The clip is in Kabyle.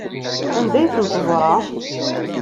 Anda ay tent-teẓra?